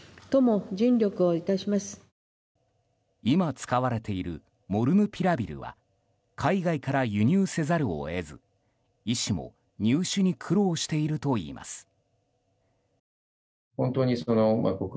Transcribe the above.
今、使われているモルヌピラビルは海外から輸入せざるを得ず医師も入手に苦労しているといいます。